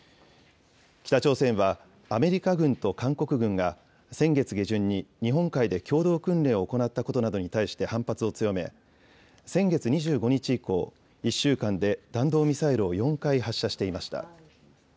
北朝鮮はアメリカ軍と韓国軍が先月下旬に日本海で共同訓練を行ったことなどに対して反発を強め、先月２５日以降、１週間で弾道ミサイルを４回発射していました。